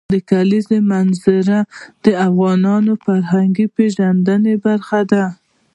د کلیزو منظره د افغانانو د فرهنګي پیژندنې برخه ده.